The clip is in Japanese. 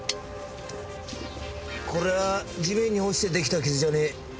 これは地面に落ちて出来た傷じゃねえ。